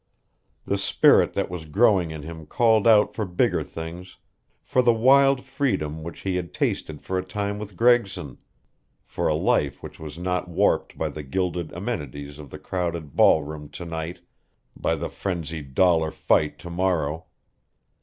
The spirit that was growing in him called out for bigger things, for the wild freedom which he had tasted for a time with Gregson for a life which was not warped by the gilded amenities of the crowded ballroom to night, by the frenzied dollar fight to morrow.